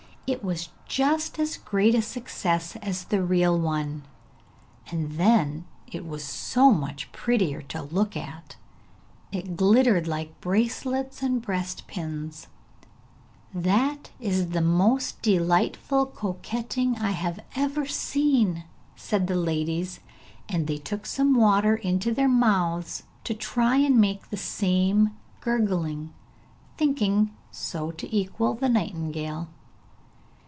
It was just as great a success as the real one, and then it was so much prettier to look at; it glittered like bracelets and breast pins. [Illustration: _Then it again burst into its sweet heavenly song.] 'That is the most delightful coquetting I have ever seen!' said the ladies, and they took some water into their mouths to try and make the same gurgling, thinking so to equal the nightingale.